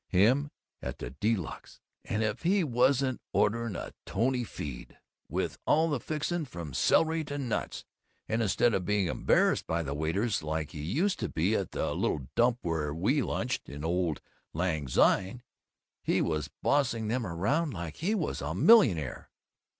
Him at the De Luxe! And if he wasn't ordering a tony feed with all the "fixings" from celery to nuts! And instead of being embarrassed by the waiters, like he used to be at the little dump where we lunched in Old Lang Syne, he was bossing them around like he was a millionaire!